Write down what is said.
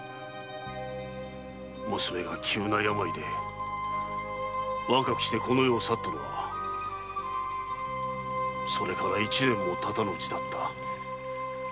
娘が急な病で若くしてこの世を去ったのはそれから一年も経たぬうちだった。